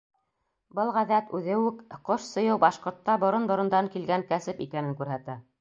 Был ғәҙәт үҙе үк ҡош сөйөү башҡортта борон-борондан килгән кәсеп икәнен күрһәтә.